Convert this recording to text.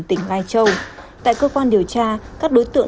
tỉnh lai châu tại cơ quan điều tra các đối tượng